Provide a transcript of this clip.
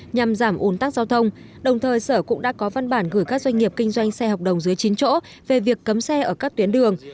nhằm giảm ồn tắc giao thông đồng thời sở cũng đã có văn bản gửi các doanh nghiệp kinh doanh xe hợp đồng dưới chín chỗ về việc cấm xe ở các tuyến đường